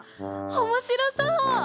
おもしろそう！